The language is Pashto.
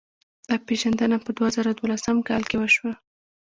دا پېژندنه په دوه زره دولسم کال کې وشوه.